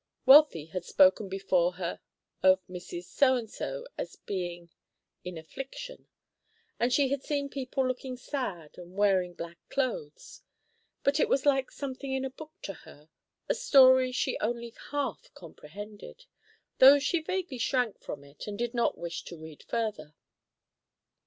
Wealthy had spoken before her of Mrs. So and so as being "in affliction," and she had seen people looking sad and wearing black clothes, but it was like something in a book to her, a story she only half comprehended; though she vaguely shrank from it, and did not wish to read further.